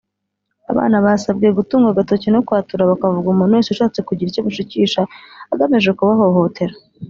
Abana basabwe gutunga agatoki no kwatura bakavuga umuntu wese ushatse kugira icyo abashukisha agamije kubahohotera